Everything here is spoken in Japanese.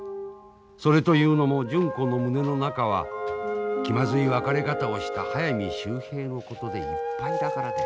それというのも純子の胸の中は気まずい別れ方をした速水秀平のことでいっぱいだからであります。